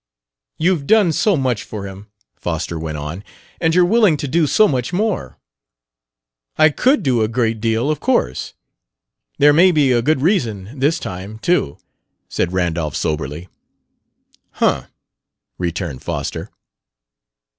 "You've done so much for him," Foster went on; "and you're willing to do so much more." "I could do a great deal, of course. There may be a good reason this time, too," said Randolph soberly. "Humph!" returned Foster.